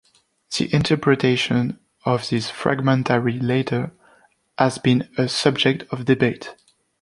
The interpretation of this fragmentary letter has been a subject of debate.